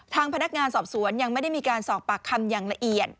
ทางพนักงานสอบสวนยังไม่ได้มีการสอบปากคำอย่างละเอียด